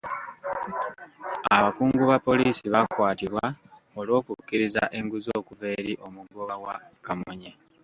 Abakungu ba poliisi baakwatibwa olw'okukkiriza enguzi okuva eri omugoba wa kamunye.